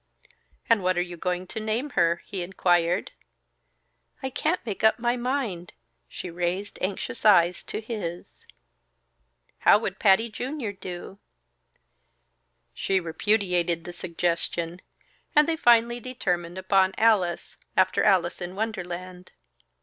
"And what are you going to name her?" he inquired. "I can't make up my mind." She raised anxious eyes to his. "How would Patty Junior do?" She repudiated the suggestion; and they finally determined upon Alice, after "Alice in Wonderland."